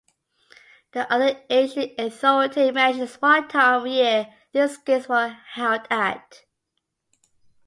No other ancient authority mentions what time of year these games were held at.